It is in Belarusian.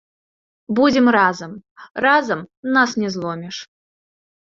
Будзем разам, разам нас не зломіш.